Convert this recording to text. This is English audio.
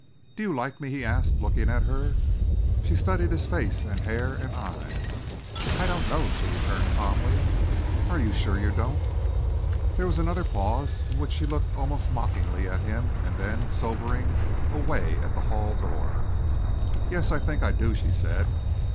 "Do you like me?" he asked, looking at her. She studied his face and hair and eyes. "I don't know," she returned calmly. "Are you sure you don't?" There was another pause in which she looked almost mockingly at him and then, sobering, away at the hall door. "Yes, I think I do," she said.